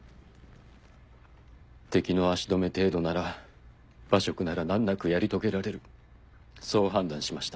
敵の足止め程度なら馬謖なら難なくやり遂げられるそう判断しました。